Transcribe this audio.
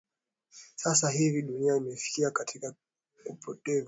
eeh sasa hivi dunia imefikia katika kupevuka